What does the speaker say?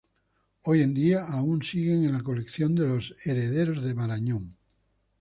Hoy en día aún sigue en la colección de los herederos de Marañón.